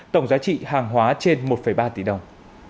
tổng giá trị hàng hóa trên một ba tỷ đồng